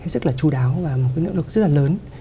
rất là chú đáo và một cái nỗ lực rất là lớn